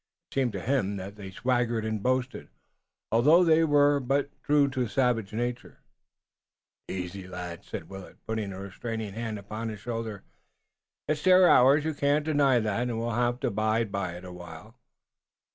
It seemed to him that they swaggered and boasted, although they were but true to savage nature. "Easy, lad," said Willet, putting a restraining hand upon his shoulder. "It's their hour. You can't deny that, and we'll have to bide a while."